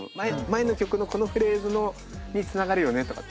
前の曲のこのフレーズにつながるよねとか。